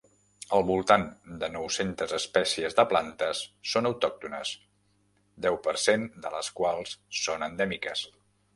Al voltant de nou-centes espècies de plantes són autòctones, deu per cent de les quals són endèmiques.